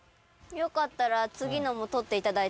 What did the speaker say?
よかったら次のも取っていただいて。